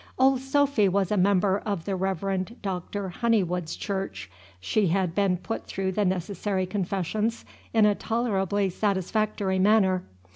Old Sophy was a member of the Reverend Doctor Honeywood's church. She had been put through the necessary confessions in a tolerably satisfactory manner.